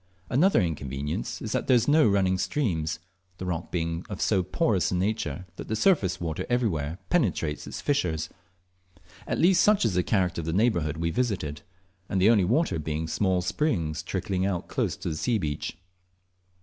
Another inconvenience is that there are no running streams, the rock being of so porous a nature that the surface water everywhere penetrates its fissures; at least such is the character of the neighbourhood we visited, the only water being small springs trickling out close to the sea beach.